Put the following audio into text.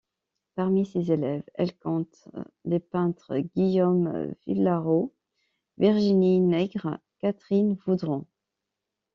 Parmi ses élèves, elle compte les peintres Guillaume Villaros, Virginie Nègre, Catherine Vaudron.